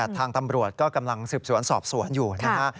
ทางตำรวจก็กำลังสืบสวนสอบสวนอยู่นะฮะ